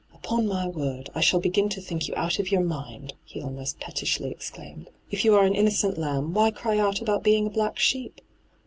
' Upon my word, I shall begin to think you out of your mind !' he almost pettishly exclaimed. ' If you are an innocent lamb, why cry out about being a black sheep